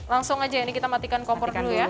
langsung aja ini kita matikan kompor dulu ya